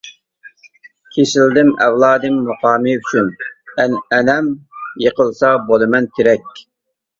كېسىلدىم ئەۋلادىم مۇقامى ئۈچۈن، ئەنئەنەم يىقىلسا بولىمەن تىرەك.